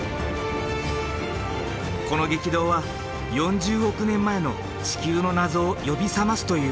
この激動は４０億年前の地球の謎を呼び覚ますという。